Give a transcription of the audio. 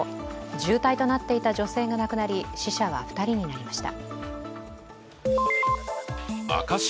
重体となっていた女性が亡くなり、死者は２人になりました。